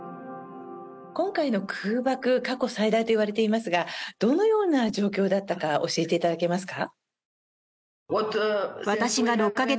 今回の空爆過去最大と言われていますがどのような状況だったか教えていただけますか？